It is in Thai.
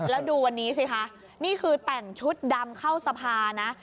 แล้วดูวันนี้สิคะนี่คือแต่งชุดดำเข้าสภานะ